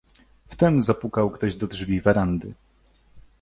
"Wtem zapukał ktoś do drzwi werandy."